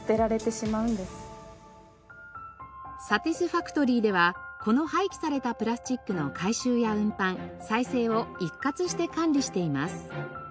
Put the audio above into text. サティスファクトリーではこの廃棄されたプラスチックの回収や運搬再生を一括して管理しています。